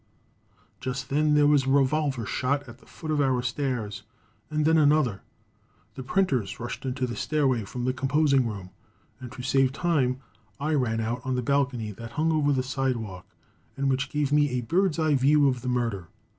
Just then there was a revolver shot at the foot of our stairs, and then another. The printers rushed into the stairway from the composing room, and to save time I ran out on the balcony that hung over the sidewalk and which gave me a bird's eye view of the murder.